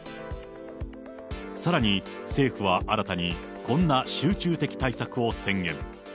さらに政府は新たに、こんな集中的対策を宣言。